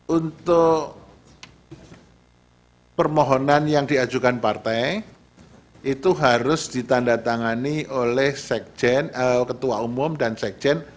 untuk permohonan yang diajukan partai itu harus ditandatangani oleh ketua umum dan sekjen